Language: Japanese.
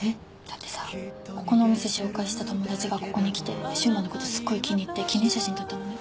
だってさここのお店紹介した友達がここに来てで柊磨のことすっごい気に入って記念写真撮ったのね。